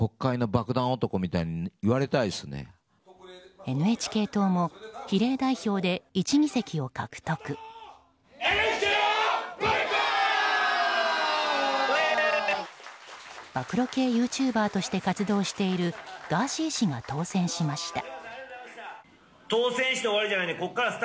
暴露系ユーチューバーとして活動しているガーシー氏が当選しました。